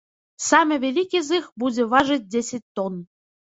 Самы вялікі з іх будзе важыць дзесяць тон.